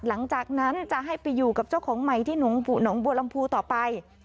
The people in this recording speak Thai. หลังจากนั้นจะให้ไปอยู่กับเจ้าของใหม่ที่หนองบัวลำพูต่อไป